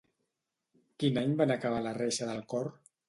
Quin any van acabar la reixa del cor?